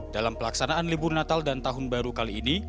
dalam pelaksanaan libur natal dan tahun baru kali ini